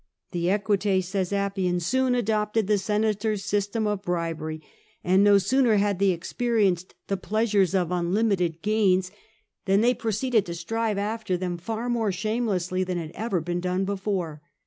"The Equites," says Appian, "soon adopted the senators' system of bribery, and no sooner had they experienced the pleasures of unlimited gains, than they proceeded to strive after them far more shame lessly than had ever been done before.